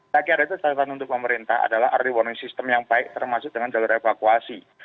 saya kira itu catatan untuk pemerintah adalah early warning system yang baik termasuk dengan jalur evakuasi